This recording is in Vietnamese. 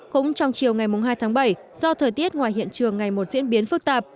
cũng trong chiều ngày hai tháng bảy do thời tiết ngoài hiện trường ngày một diễn biến phức tạp